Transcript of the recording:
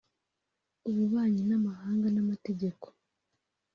ububanyi n’amahanga n’amategeko